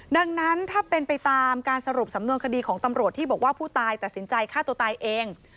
ดังนั้นถ้าเป็นไปตามการสรุปสำนวนคดีของตำรวจที่บอกว่าผู้ตายตัดสินใจฆ่าตัวตายเอง